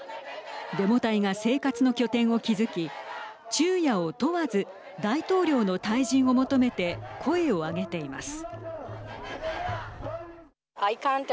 デモ隊が生活の拠点を築き昼夜を問わず大統領の退陣を求めて声を上げています。